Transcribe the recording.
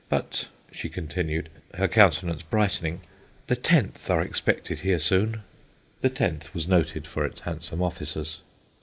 But,' she continued, her countenance brightening, 'the Tenth are expected here soon.'" (The Tenth was noted for its handsome officers.)